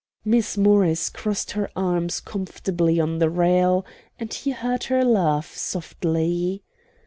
Miss Morris crossed her arms comfortably on the rail, and he heard her laugh softly.